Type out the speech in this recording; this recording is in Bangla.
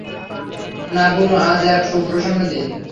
না, বুনু, আজ এক সুপ্রসন্ন দিন।